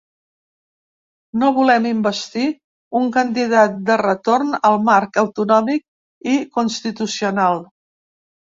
No volem investir un candidat de retorn al marc autonòmic i constitucional.